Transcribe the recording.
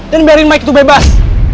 dan biarin mike itu bebas